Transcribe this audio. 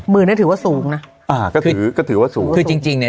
เนี้ยถือว่าสูงนะอ่าก็ถือก็ถือว่าสูงคือจริงจริงเนี้ย